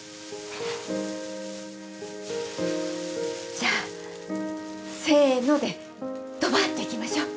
じゃあせぇのでどばっといきましょう。